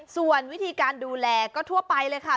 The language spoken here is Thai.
ส่วนวิธีการดูแลก็ทั่วไปเลยค่ะ